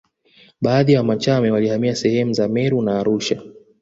Baadhi ya Wamachame walihamia sehemu za Meru na Arusha